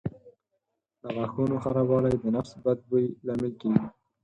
د غاښونو خرابوالی د نفس بد بوی لامل کېږي.